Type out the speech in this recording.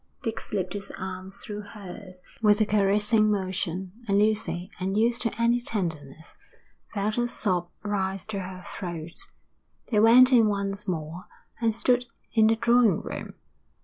Dick slipped his arm through hers with a caressing motion, and Lucy, unused to any tenderness, felt a sob rise to her throat. They went in once more and stood in the drawing room.